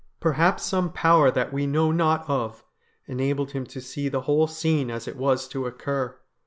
Perhaps some power that we know naught of enabled him to see the whole scene as it was to occur.